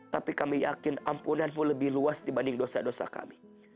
tapi kami yakin ampunanmu lebih luas dibanding dosa dosa kami